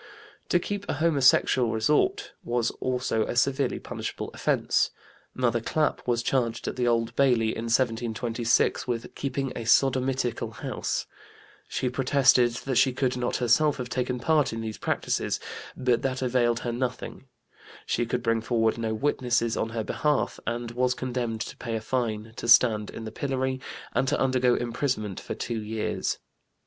To keep a homosexual resort was also a severely punishable offense. Mother Clap was charged at the Old Bailey in 1726 with "keeping a sodomitical house"; she protested that she could not herself have taken part in these practices, but that availed her nothing; she could bring forward no witnesses on her behalf and was condemned to pay a fine, to stand in the pillory, and to undergo imprisonment for two years.